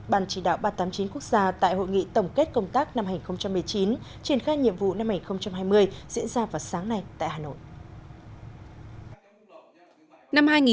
ban chỉ đạo ba trăm tám mươi chín quốc gia tại hội nghị tổng kết công tác năm hai nghìn một mươi chín triển khai nhiệm vụ năm hai nghìn hai mươi diễn ra vào sáng nay tại hà nội